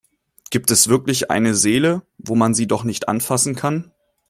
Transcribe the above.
Gibt es wirklich eine Seele, wo man sie doch nicht anfassen kann?